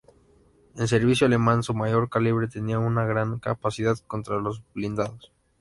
En servicio alemán, su mayor calibre tenía una gran capacidad contra los blindados.